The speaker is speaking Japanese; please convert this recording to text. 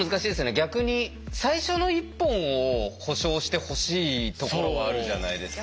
逆に最初の１本を保障してほしいところはあるじゃないですか。